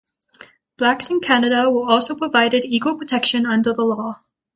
Blacks in Canada were also provided equal protection under the law.